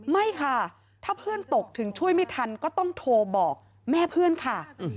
ไม่ค่ะถ้าเพื่อนตกถึงช่วยไม่ทันก็ต้องโทรบอกแม่เพื่อนค่ะ